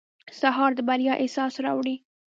سهار د بریا احساس راوړي.